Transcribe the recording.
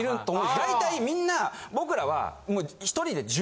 大体みんな僕らは。